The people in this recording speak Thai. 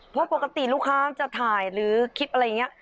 เพราะปกติลูกค้าจะถ่ายหรือคลิปอะไรอย่างนี้